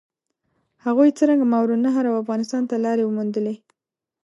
هغوی څرنګه ماورالنهر او افغانستان ته لارې وموندلې؟